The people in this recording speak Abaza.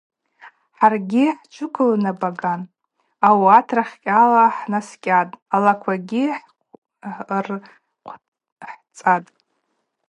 Хӏаргьи хӏджвылибаган ауат рахькӏьала хӏнаскӏьатӏ, алаквагьи ркъвхӏцатӏ.